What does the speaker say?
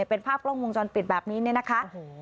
เป็นภาพกล้องวงจรปิดแบบนี้เนี่ยนะคะ